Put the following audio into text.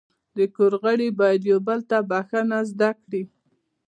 د کور غړي باید یو بل ته بخښنه زده کړي.